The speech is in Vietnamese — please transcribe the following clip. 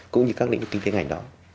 cũng như các lĩnh vực kinh tế ngành đó